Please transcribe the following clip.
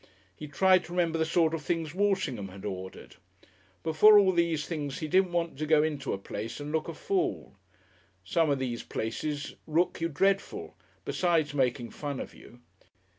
He tried to remember the sort of things Walshingham had ordered. Before all things he didn't want to go into a place and look like a fool. Some of these places rook you dreadful, besides making fun of you.